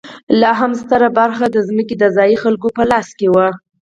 لا هم ستره برخه ځمکې د ځايي خلکو په لاس کې وه.